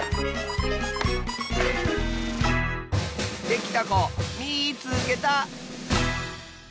できたこみいつけた！